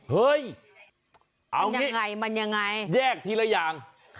เฮ้ยมันยังไงแยกทีละอย่าง